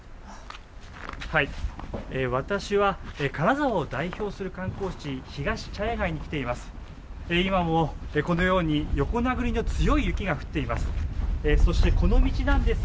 私は、金沢を代表する観光地、ひがし茶屋街に来ています。